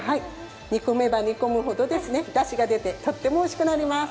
煮込めば煮込むほどだしが出てとってもおいしくなります。